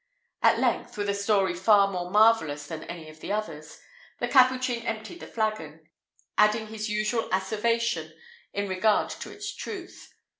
At length, with a story far more marvellous than any of the others, the Capuchin emptied the flagon, adding his usual asseveration in regard to its truth.